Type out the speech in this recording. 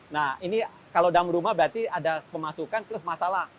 nah ini kalau dalam rumah berarti ada pemasukan terus masalah